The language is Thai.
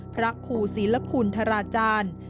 พระครูศิลคุณธราจารย์